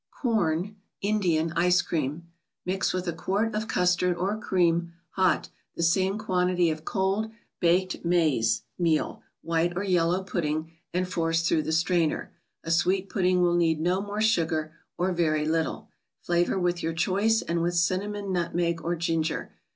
Corn (9!nt>fan) %twnam, M ' x u ™ th o * custard, or cream, hot, the same quantity of cold baked 26 THE BOOK OF ICES. maize meal (white or yellow) pudding, and force through the strainer. A sweet pudding will need no more sugar or very little. Flavor with your choice, and with cin¬ namon, nutmeg or ginger.